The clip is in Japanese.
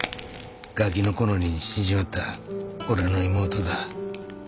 ガキの頃に死んじまった俺の妹だ。